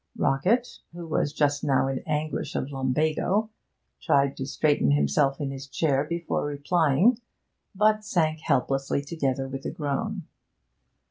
Rockett, who was just now in anguish of lumbago, tried to straighten himself in his chair before replying, but sank helplessly together with a groan.